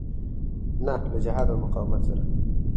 نه له جهاد او مقاومت سره.